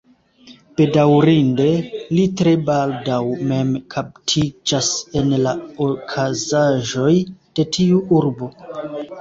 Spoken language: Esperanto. Bedaŭrinde, li tre baldaŭ mem kaptiĝas en la okazaĵoj de tiu urbo.